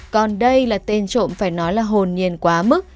còn đây là tên trộm phải nói là hồn nhiên quá mức